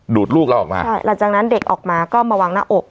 ดลูกเราออกมาใช่หลังจากนั้นเด็กออกมาก็มาวางหน้าอก